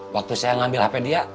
waktu saya ngambil hp dia